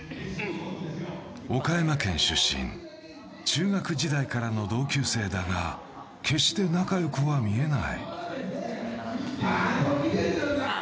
岡山県出身、中学時代からの同級生だが決して仲よくは見えない。